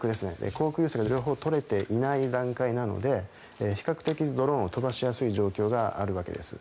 航空優勢が取れていない段階なので比較的ドローンを飛ばしやすい状況があるわけです。